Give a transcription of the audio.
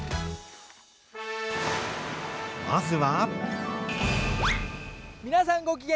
まずは。